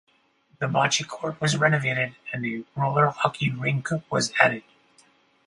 The bocce court was renovated, and a roller hockey rink was added.